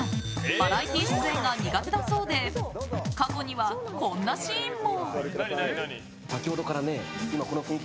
バラエティー出演が苦手だそうで過去には、こんなシーンも。